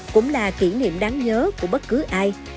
cũng là kỷ niệm đáng nhớ của bất cứ ai